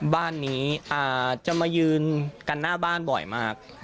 บ้านนี้จะมายืนกันหน้าบ้านบ่อยมาก